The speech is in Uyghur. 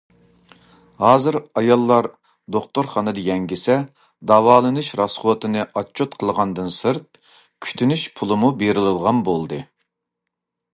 ھازىر ئاياللار دوختۇرخانىدا يەڭگىسە، داۋالىنىش راسخوتىنى ئاتچوت قىلغاندىن سىرت، كۈتۈنۈش پۇلىمۇ بېرىلىدىغان بولدى.